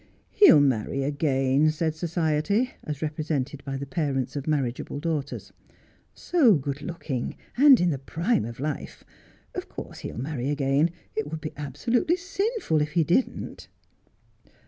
' He will marry again,' said Society, as represented by the parents of marriageable daughters. ' So good looking and in the prime of life. Of course he will marry again. It would be absolutely sinful if he didn't.'